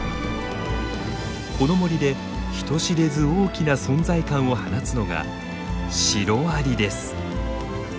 この森で人知れず大きな存在感を放つのがシロアリです。